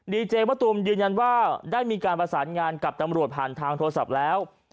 ดีเจมะตูมยืนยันว่าได้มีการประสานงานกับตำรวจผ่านทางโทรศัพท์แล้ว